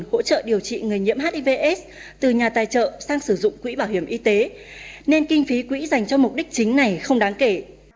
hỗ trợ điều trị người nhiễm hivs từ nhà tài trợ sang sử dụng quỹ bảo hiểm y tế nên kinh phí quỹ dành cho mục đích chính này không đáng kể